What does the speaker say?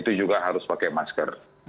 itu juga harus pakai masker